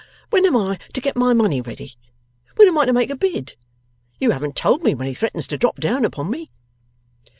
When am I to get my money ready? When am I to make a bid? You haven't told me when he threatens to drop down upon me.